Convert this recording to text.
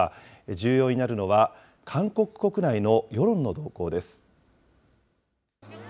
重要になるのは、韓国国内の世論の動向です。